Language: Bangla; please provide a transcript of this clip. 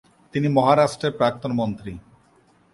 তিনি মহারাষ্ট্রের প্রাক্তন মন্ত্রী।